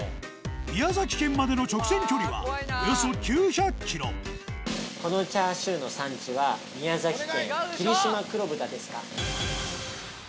宮崎県までの直線距離はおよそこのチャーシューの産地は宮崎県霧島黒豚ですか？